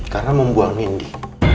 karena membuang nindi